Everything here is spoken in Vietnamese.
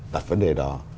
đặt vấn đề đó